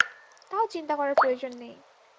তাও চিন্তা করার প্রয়োজন নেই।